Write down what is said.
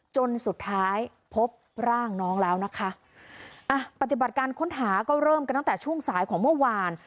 จนสุดท้ายพบร่างน้องแล้วนะคะอ่ะปฏิบัติการค้นหาก็เริ่มกันตั้งแต่ช่วงสายของเมื่อวาน